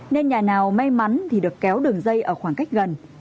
nào may mắn thì được kéo đường dây ở khoảng cách gần